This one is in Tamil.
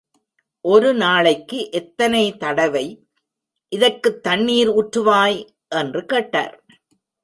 ஒரு நாளைக்கு எத்தனை தடவை இதற்குத் தண்ணிர் ஊற்றுவாய்? என்று கேட்டார்.